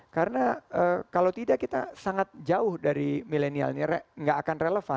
karena kalau tidak kita sangat jauh dari milenial ini gak akan relevan